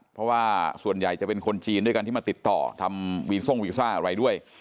เพราะว่าส่วนใหญ่จะเป็นคนจีนด้วยกันที่มาติดต่อทำวีซ่องวีซ่าอะไรด้วย